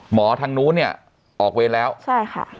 หมอทางนู้นเนี่ยออกเวรแล้วใช่ค่ะ